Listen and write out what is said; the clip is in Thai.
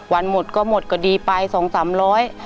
วันหมดก็หมดก็ดีไปสองสามร้อย